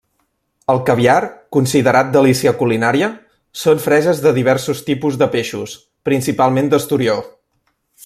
El caviar, considerat delícia culinària, són freses de diversos tipus de peixos, principalment d'esturió.